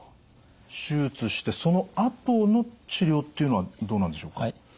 手術してそのあとの治療っていうのはどうなんでしょうか？